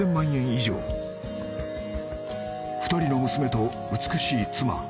［２人の娘と美しい妻］